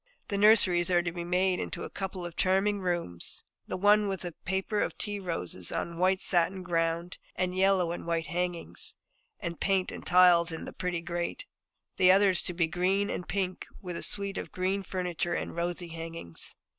The nurseries are to be made into a couple of charming rooms, the one with a paper of tea roses on a white satin ground, and yellow and white hangings, and paint and tiles in the pretty grate. The other is to be green and pink, with a suite of green furniture and rosy hangings.